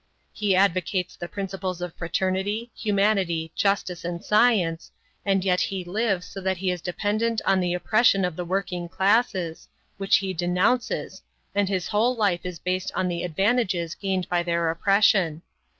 He advocates the principles of fraternity, humanity, justice, and science, and yet he lives so that he is dependent on the oppression of the working classes, which he denounces, and his whole life is based on the advantages gained by their oppression.